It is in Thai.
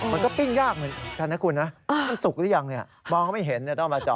ปิ้งยากเหมือนกันนะคุณนะมันสุกหรือยังเนี่ยมองไม่เห็นต้องมาจอ